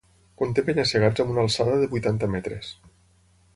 Conté penya-segats amb una alçada de vuitanta metres.